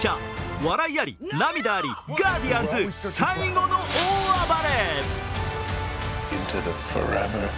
笑いあり、涙あり、ガーディアンズ、最後の大暴れ。